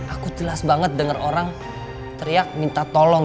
aku jelas banget dengar orang teriak minta tolong